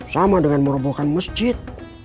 sama dengan merobohkan masjid